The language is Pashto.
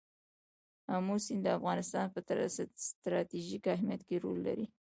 آمو سیند د افغانستان په ستراتیژیک اهمیت کې رول لري.